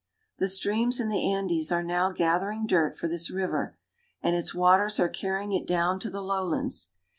The streams in the Andes are now gathering dirt for this river, and its waters are carrying it down to the low lands.